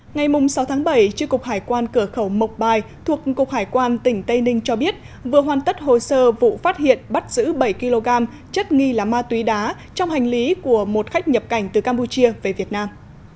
ngày sáu bảy tri cục hải quan cửa khẩu mộc bài thuộc cục hải quan tỉnh tây ninh cho biết vừa hoàn tất hồ sơ vụ phát hiện bắt giữ bảy kg chất nghi là ma túy đá trong hành lý của một khách nhập cảnh từ campuchia về việt nam